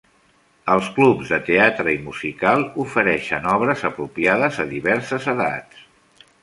Els clubs de teatre i musical ofereixen obres apropiades a diverses edats.